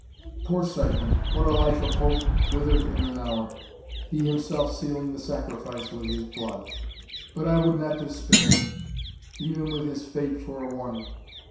Poor Seguin! what a life of hope withered in an hour! he himself sealing the sacrifice with his blood! But I would not despair, even with his fate for a warning.